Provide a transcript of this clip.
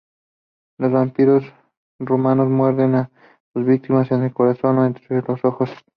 Los vampiros rumanos muerden a sus víctimas en el corazón o entre los ojos.